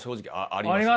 ありました？